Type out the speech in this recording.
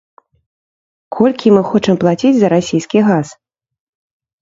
Колькі мы хочам плаціць за расійскі газ?